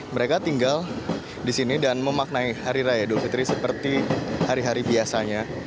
mereka tinggal disini dan memaknai hari raya dukutri seperti hari hari biasanya